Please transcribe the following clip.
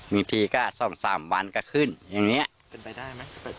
บางทีก็สองสามวันก็ขึ้นอย่างเนี้ยเป็นไปได้ไหม